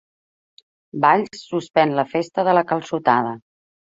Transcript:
Valls suspèn la Festa de la Calçotada